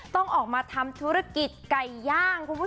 ต้องออกมาทำธุรกิจไก่ย่าง